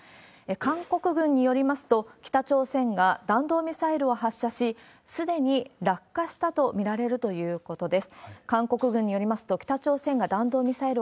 韓国軍によりますと、北朝鮮が弾道ミサイルを発射し、すでに落下したと見られるということです。